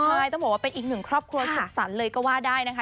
ใช่ต้องบอกว่าเป็นอีกหนึ่งครอบครัวสุขสรรค์เลยก็ว่าได้นะคะ